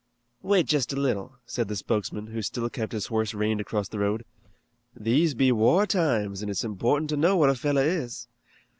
"Wait just a little," said the spokesman, who still kept his horse reined across the road. "These be war times an' it's important to know what a fellow is.